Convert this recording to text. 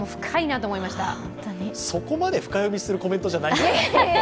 そこまで深読みするコメントじゃないよ。